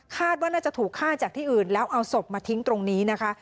ว่าน่าจะถูกฆ่าจากที่อื่นแล้วเอาศพมาทิ้งตรงนี้นะคะ